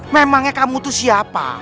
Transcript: memangnya kamu itu siapa